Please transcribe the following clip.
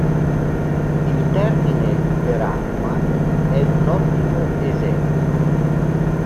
Il termine per 'acqua' è un ottimo esempio.